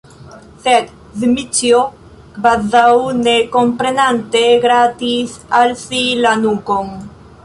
Sed Dmiĉjo, kvazaŭ ne komprenante, gratis al si la nukon.